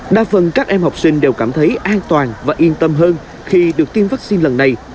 đa phần các em học sinh đều cảm thấy an toàn và yên tâm hơn khi được tiêm vaccine lần này